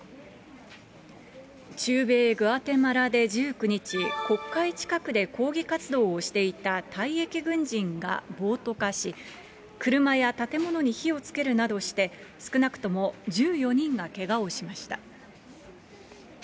中米グアテマラで１９日、国会近くで抗議活動をしていた退役軍人が暴徒化し、車や建物に火をつけるなどして、少なくとも１４人がけがをしました。